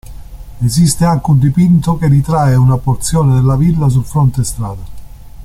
Esiste anche un dipinto che ritrae una porzione della villa sul fronte strada.